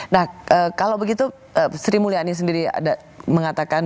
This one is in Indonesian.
nah kalau begitu sri mulyani sendiri ada mengatakan